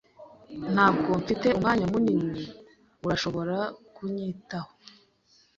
Ntabwo mfite umwanya munini. Urashobora kubyitaho?